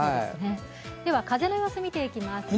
では、風の様子、見ていきます。